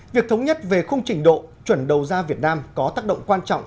việc thống nhất về không trình độ chuẩn đầu gia việt nam có tác động quan trọng